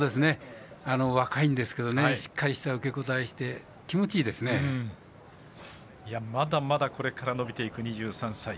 若いんですけどしっかりした受け応えしてまだまだ、これから伸びていく２３歳。